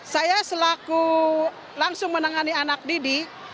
saya selaku langsung menangani anak didik